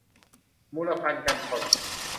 มูลภัณฑ์กันชน